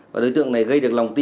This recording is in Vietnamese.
và đối tượng này gây được lòng tin